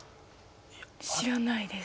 知らないです。